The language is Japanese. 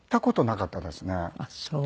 あっそう。